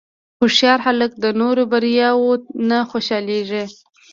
هوښیار خلک د نورو بریاوو نه خوشحالېږي.